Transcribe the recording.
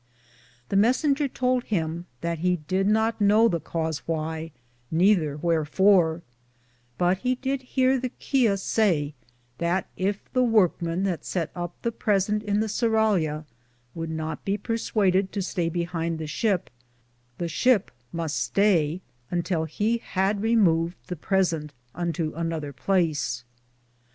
The messenger tould him that he did not know the cause whye, nether whearfore, but he did hearde the chia say that yf the workman that sett up the presente in the surralia would not be perswaded to stay be hind the shipe, the ship muste staye untill he had removed the presente unto another place.